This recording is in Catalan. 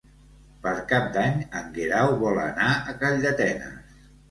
Per Cap d'Any en Guerau vol anar a Calldetenes.